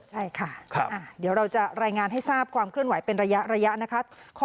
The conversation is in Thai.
ใช่ค่ะเดี๋ยวเราจะรายงานให้ทราบความเคลื่อนไหวเป็นระยะนะคะ